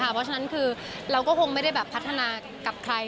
เพราะฉะนั้นคือเราก็คงไม่ได้แบบพัฒนากับใคร